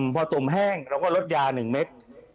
พอตุ่มแห้งเราก็ลดยา๑เม็ด